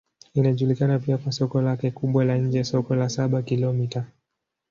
Inajulikana pia kwa soko lake kubwa la nje, Soko la Saba-Kilomita.